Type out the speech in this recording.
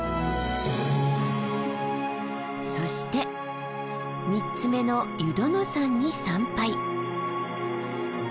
そして３つ目の湯殿山に参拝。